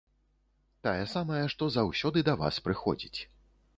Тая самая, што заўсёды да вас прыходзіць.